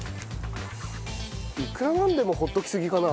いくらなんでもほっときすぎかな？